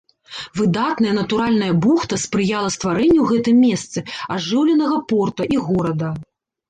Выдатная натуральная бухта спрыяла стварэнню ў гэтым месцы ажыўленага порта і горада.